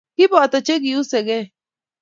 Kiboto che Kiusekei